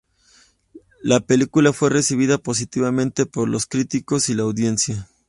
La película fue recibida positivamente por los críticos y la audiencia.